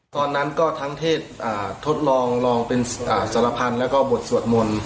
ตอนนั้นก็ทั้งเทศทดลองเป็นสารพันธ์แล้วก็บทสวดมนต์